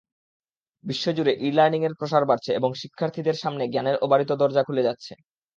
বিশ্বজুড়ে ই-লার্নিংয়ের প্রসার বাড়ছে এবং শিক্ষার্থীদের সামনে জ্ঞানের অবারিত দরজা খুলে যাচ্ছে।